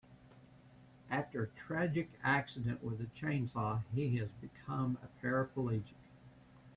After a tragic accident with a chainsaw he has become a paraplegic.